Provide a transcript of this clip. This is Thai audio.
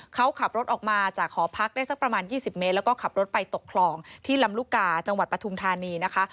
เขาขับรถออกมาจากหอพักได้สักประมาณ๒๐เมตรแล้วก็ขับรถไปตกคลองที่ลำลูกกาจังหวัดปฐุมธานีนะคะ